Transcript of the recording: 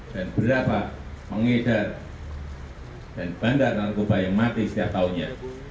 dan berapa pengedar dan bandar narkoba yang mati setiap tahunnya